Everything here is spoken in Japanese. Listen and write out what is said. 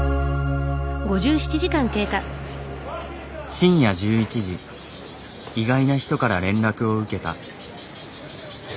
深夜１１時意外な人から連絡を受けた。